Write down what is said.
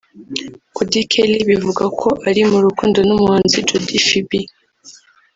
Auddy Kelly bivugwa ko ari mu rukundo n’umuhanzi Jody Phibi